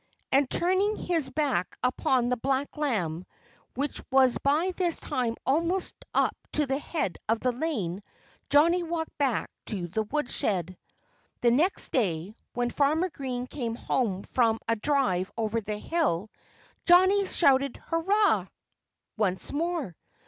And turning his back upon the black lamb, which was by this time almost up to the head of the lane, Johnnie walked back to the woodshed. The next day, when Farmer Green came home from a drive over the hill, Johnnie shouted "Hurrah!" once more.